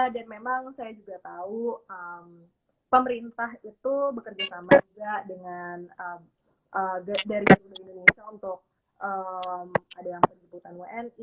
dan memang saya juga tahu pemerintah itu bekerja sama juga dengan dari garuda indonesia untuk ada yang penyelidikan wni